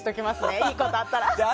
いいことあったら。